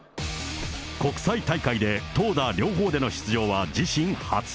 国際大会で投打両方での出場は自身初。